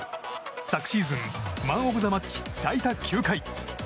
昨シーズンマン・オブ・ザ・マッチ最多９回の久保建英。